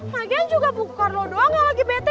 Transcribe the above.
lagian juga bukan lo doang yang lagi bete